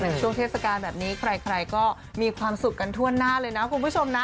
ช่วงเทศกาลแบบนี้ใครก็มีความสุขกันทั่วหน้าเลยนะคุณผู้ชมนะ